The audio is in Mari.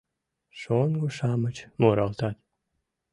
Шоҥго-шамыч муралтат.